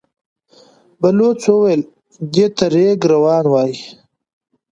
بلوڅ وويل: دې ته رېګ روان وايي.